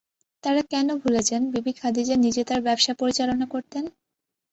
তাঁরা কেন ভুলে যান বিবি খাদিজা নিজে তাঁর ব্যবসা পরিচালনা করতেন।